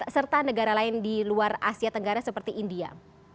serta negara lain di luar asia tenggara seperti india